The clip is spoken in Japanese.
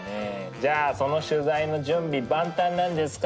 じゃあその取材の準備万端なんですか？